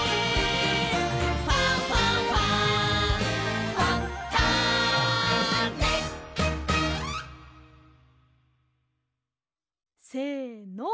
「ファンファンファン」せの。